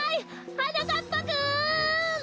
はなかっぱくん！